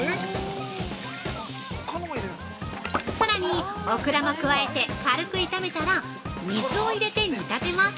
◆さらにオクラも加えて軽く炒めたら、水を入れて煮立てます。